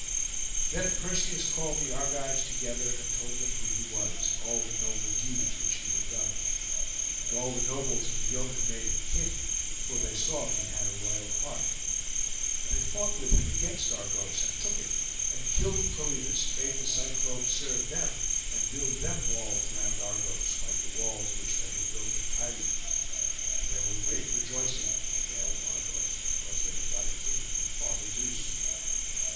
Then Perseus called the Argives together, and told them who he was, and all the noble deeds which he had done. And all the nobles and the yeomen made him king, for they saw that he had a royal heart; and they fought with him against Argos, and took it, and killed Proetus, and made the Cyclopes serve them, and build them walls round Argos, like the walls which they had built at Tiryns; and there were great rejoicings in the vale of Argos, because they had got a king from Father Zeus.